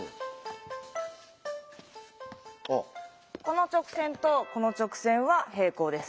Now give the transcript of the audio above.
この直線とこの直線は平行です。